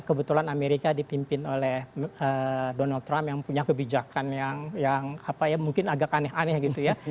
kebetulan amerika dipimpin oleh donald trump yang punya kebijakan yang mungkin agak aneh aneh gitu ya